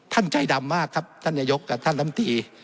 ใจดำมากครับท่านนายกกับท่านลำตี